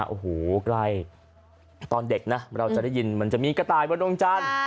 โอ้โหใกล้ตอนเด็กนะเราจะได้ยินมันจะมีกระต่ายบนดวงจันทร์